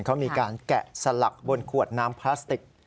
เขามีการแกะสลักบนขวดน้ำพลาสติก